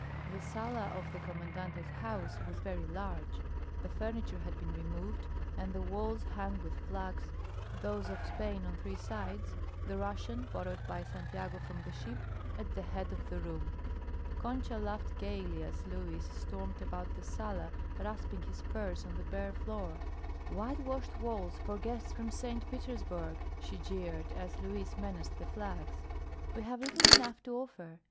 The sala of the Commandante's house was very large. The furniture had been removed and the walls hung with flags, those of Spain on three sides, the Russian, borrowed by Santiago from the ship, at the head of the room. Concha laughed gaily as Luis stormed about the sala rasping his spurs on the bare floor. "Whitewashed walls for guests from St. Petersburg!" she jeered, as Luis menaced the flags. "We have little enough to offer.